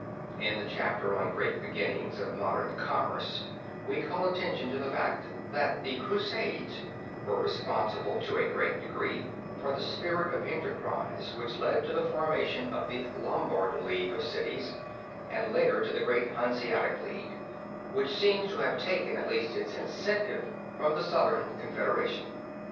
In the chapter on Great Beginnings of Modern Commerce we call attention to the fact, that the Crusades were responsible to a great degree for the spirit of enterprise which led to the formation of the Lombard league of cities, and later to the great Hanseatic League, which seems to have taken at least its incentive from the Southern Confederation.